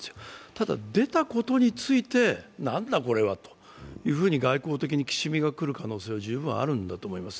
ただ、出たことについて、何だこれはというふうに外交的にきしみが来る可能性は十分にあると思います。